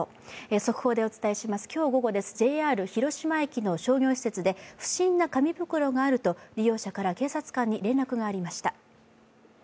速報でお伝えします、今日午後、ＪＲの広島駅で不審な紙袋があると利用者から警察官に連絡がありました。